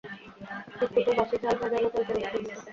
তিতকুটে, বাসি, ঝাল, ঝাঁঝালো, তেলতেলে মাটির মতো।